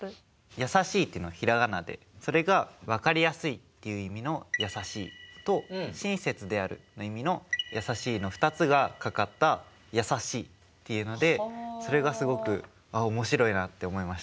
やさしいっていうのは平仮名でそれが分かりやすいっていう意味の「易しい」と親切であるの意味の「優しい」の２つがかかった「やさしい」っていうのでそれがすごくあっ面白いなって思いました。